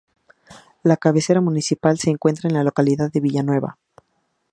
La cabecera municipal se encuentra en la localidad de Villanueva.